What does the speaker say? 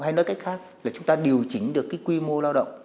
hay nói cách khác là chúng ta điều chỉnh được cái quy mô lao động